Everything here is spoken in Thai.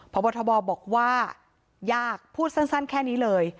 พบทบบอกว่ายากพูดสั้นแค่นี้เลย